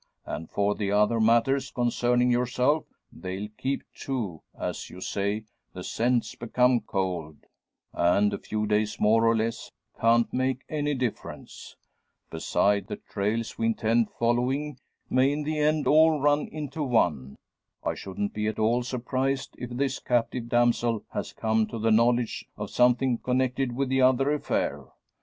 And for the other matters concerning yourself, they'll keep, too. As you say, the scent's become cold; and a few days more or less can't make any difference. Beside, the trails we intend following may in the end all run into one. I shouldn't be at all surprised if this captive damsel has come to the knowledge of something connected with the other affair.